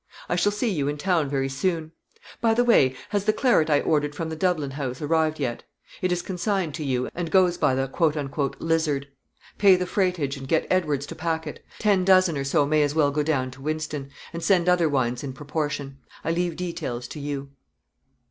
I shall see you in town very soon. By the way, has the claret I ordered from the Dublin house arrived yet? It is consigned to you, and goes by the 'Lizard'; pay the freightage, and get Edwards to pack it; ten dozen or so may as well go down to Wynston, and send other wines in proportion. I leave details to you...."